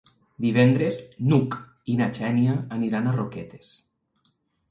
Divendres n'Hug i na Xènia aniran a Roquetes.